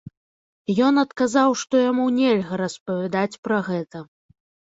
Ён адказаў што яму нельга распавядаць пра гэта.